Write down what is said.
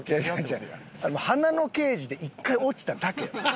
『花の慶次』で１回落ちただけや。